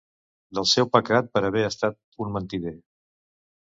Del seu pecat per haver estat un mentider.